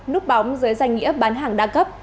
núp bóng dưới danh nghĩa bán hàng đa cấp